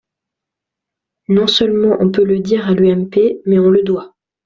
Non seulement on peut le dire à l’UMP, mais on le doit.